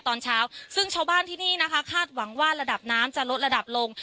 ตอนเช้าซึ่งชาวบ้านที่นี่นะคะคาดหวังว่าระดับน้ำจะลดระดับลง